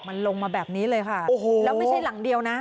มันลงมาแบบนี้เลยค่ะโอ้โหแล้วไม่ใช่หลังเดียวนะ